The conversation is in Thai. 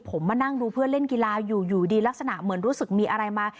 ผมมานั่งดูเพื่อนเล่นกีฬาอยู่อยู่ดีลักษณะเหมือนรู้สึกมีอะไรมา